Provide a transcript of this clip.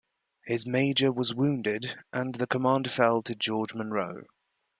His Major was wounded and the command fell to George Munro.